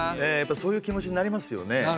そういう気持ちになりますよね？